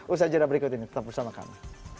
usaha jadwal berikut ini tetap bersama kami